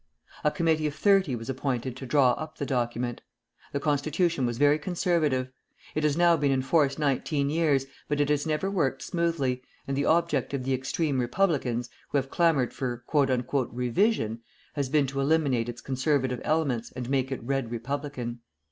A Committee of Thirty was appointed to draw up the document. The constitution was very conservative. It has now been in force nineteen years, but it has never worked smoothly, and the object of the extreme Republicans, who have clamored for "revision," has been to eliminate its conservative elements and make it Red Republican.